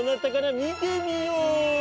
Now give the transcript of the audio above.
見てみよう。